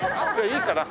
いいかな。